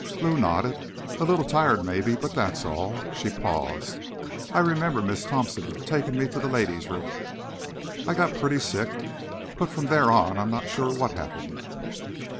Lou nodded. "A little tired, maybe, but that's all." She paused. "I remember Miss Thompson taking me to the ladies' room. I got pretty sick. But from there on, I'm not sure what happened."